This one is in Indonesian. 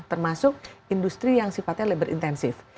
termasuk industri yang sifatnya labor intensif